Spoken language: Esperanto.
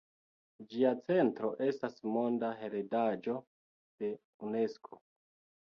Ĝia centro estas Monda heredaĵo de Unesko.